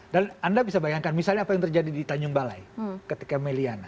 dan anda bisa bayangkan misalnya apa yang terjadi di tanjung balai ketika meliana